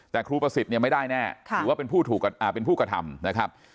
แต่ครูประสิทธิ์ไม่ได้แน่ถือว่าเป็นผู้ถูกกระทำ